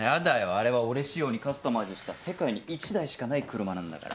あれは俺仕様にカスタマイズした世界に１台しかない車なんだから。